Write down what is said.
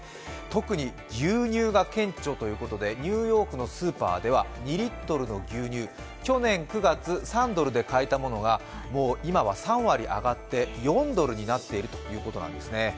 特に牛乳が顕著ということでニューヨークのスーパーでは２リットルの牛乳、去年９月、３ドルで買えたものがもう今は３割上がって４ドルになっているということなんですね。